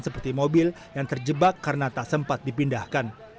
seperti mobil yang terjebak karena tak sempat dipindahkan